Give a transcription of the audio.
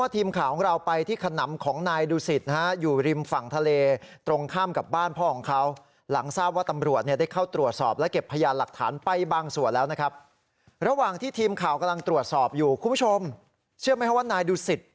ที่ทีมข่าวกำลังตรวจสอบอยู่คุณผู้ชมเชื่อไหมครับว่านายดูสิทธิ์